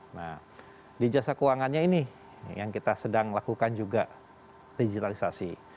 nah di jasa keuangannya ini yang kita sedang lakukan juga digitalisasi